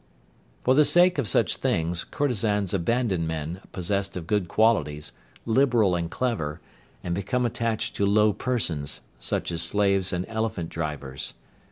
For the sake of such things courtezans abandon men possessed of good qualities, liberal and clever, and become attached to low persons, such as slaves and elephant drivers.